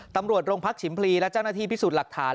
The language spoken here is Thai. ตำรวจโรงพักฉิมพลีและเจ้าหน้าที่พิสูจน์หลักฐาน